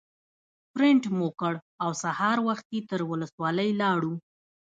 پرنټ مو کړ او سهار وختي تر ولسوالۍ لاړو.